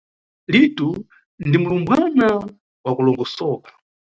Litu ni mulumbwana wa kulongosoka.